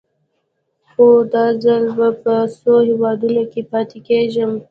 خو دا ځل به په څو هېوادونو کې پاتې کېږم.